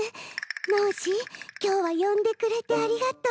ノージーきょうはよんでくれてありがとう。